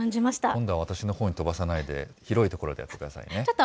今度は私のほうに飛ばさないで、広い所でやってくださいね。